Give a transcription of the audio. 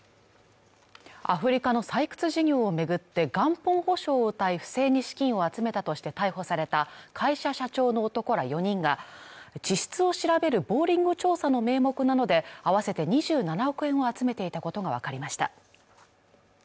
アフリカの採掘事業を巡って元本保証をうたい不正に資金を集めたとして逮捕された会社社長の男ら４人が地質を調べるボーリング調査の名目などで合わせて２７億円を集めていたことが分かりました